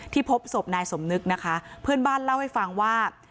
พบศพนายสมนึกนะคะเพื่อนบ้านเล่าให้ฟังว่า